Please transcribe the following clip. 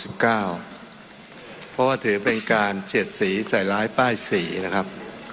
เพราะว่าถือเป็นการเฉียดสีใส่ร้ายป้ายสีนะครับ